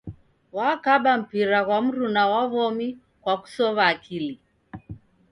Wakaba mpira ghwa mruna wa w'omi kwa kusow'a akili.